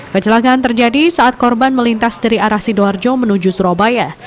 kecelakaan terjadi saat korban melintas dari arah sidoarjo menuju surabaya